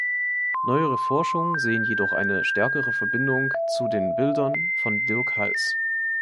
Neuere Forschungen sehen jedoch eine stärkere Verbindung zu den Bildern von Dirck Hals.